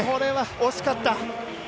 惜しかった。